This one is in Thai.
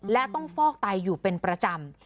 และต้องฟอกไตอยู่เป็นประจำ